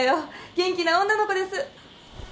元気な女の子です。